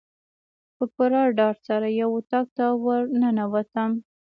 په پوره ډاډ سره یو اطاق ته ورننوتم.